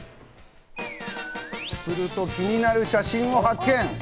すると、気になる写真を発見。